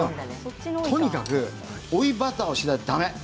とにかく追いバターをしないとだめ。